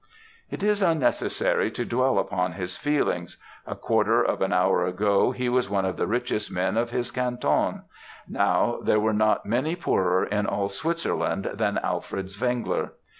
"It is unnecessary to dwell upon his feelings; a quarter of an hour ago he was one of the richest men of his canton now there were not many poorer in all Switzerland than Alfred Zwengler.